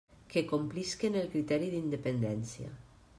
Que complisquen el criteri d'independència.